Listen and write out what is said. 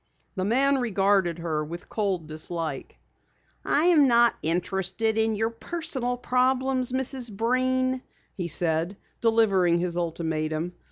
The man regarded her with cold dislike. "I am not interested in your personal problems, Mrs. Breen," he said, delivering his ultimatum.